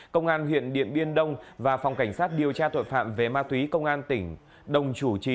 công an huyện điện biên đông và phòng cảnh sát điều tra tội phạm về ma túy công an tỉnh đồng chủ trì